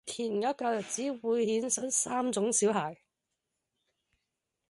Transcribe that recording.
填鴨教育只會衍生三種小孩